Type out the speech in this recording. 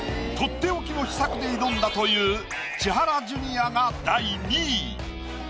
とっておきの秘策で挑んだという千原ジュニアが第２位。